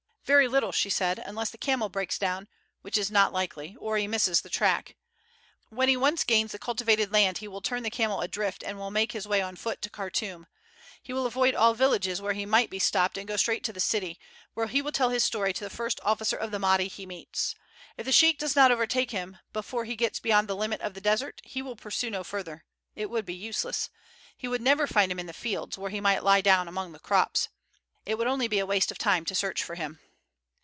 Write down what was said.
"Very little," she said, "unless the camel breaks down, which is not likely, or he misses the track. When he once gains the cultivated land he will turn the camel adrift and will make his way on foot to Khartoum. He will avoid all villages where he might be stopped and go straight to the city, where he will tell his story to the first officer of the Mahdi he meets. If the sheik does not overtake him before he gets beyond the limit of the desert he will pursue no further. It would be useless. He would never find him in the fields, where he might lie down among the crops. It would only be waste of time to search for him."